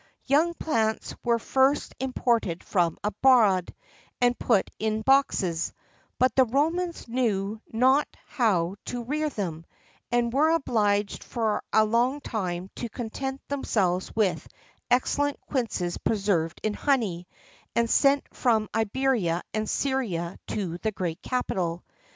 Young plants were first imported from abroad, and put in boxes;[XIII 4] but the Romans knew not how to rear them, and were obliged for a long time to content themselves with excellent quinces preserved in honey, and sent from Iberia and Syria to the great capital.